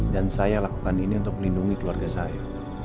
dan saya lakukan ini untuk melindungi keluarga saya